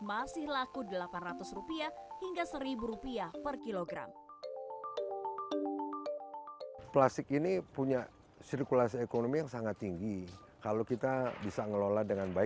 bagusnya dipres atau dicuci